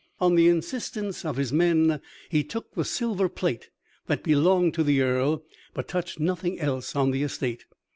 On the insistence of his men he took the silver plate that belonged to the Earl, but touched nothing else on the estate.